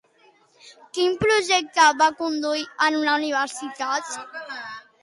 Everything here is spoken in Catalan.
Quin projecte va conduir en una universitat?